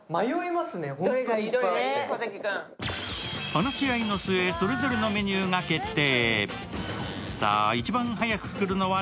話し合いの末、それぞれのメニューが決定。